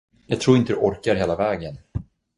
Jag tror inte du orkar hela vägen.